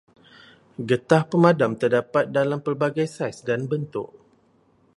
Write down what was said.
Getah pemadam terdapat dalam pelbagai saiz dan bentuk.